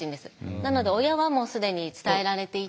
なので親はもう既に伝えられていて。